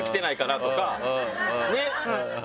ねっ！